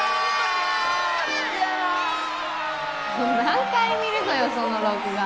何回見るのよその録画